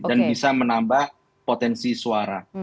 dan bisa menambah potensi suara